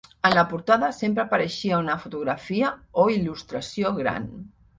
En la portada sempre apareixia una fotografia o il·lustració gran.